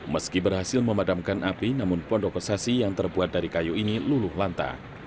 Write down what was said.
meski berhasil memadamkan api namun pondok kesasi yang terbuat dari kayu ini luluh lanta